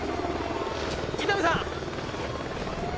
伊丹さん！